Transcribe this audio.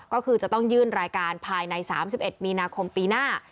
ก็คือจะต้องยื่นรายการภายใน๓๑มีนาคมปีหน้า